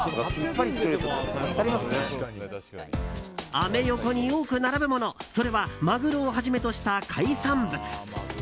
アメ横に多く並ぶもの、それはマグロをはじめとした海産物。